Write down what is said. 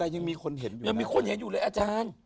ยังมีคนเห็นอยู่ยังมีคนเห็นอยู่เลยอาจารย์